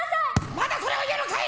まだそれを言うのかい。